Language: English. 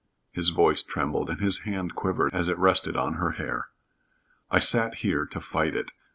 His voice trembled and his hand quivered as it rested on her hair. "I sat here to fight it.